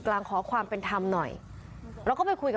หนูบอกว่าแล้วหนูล่ะกับลูกล่ะ